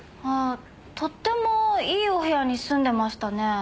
とってもいいお部屋に住んでましたね。